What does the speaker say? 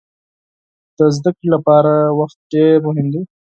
د زده کړې لپاره وخت ډېر مهم دی.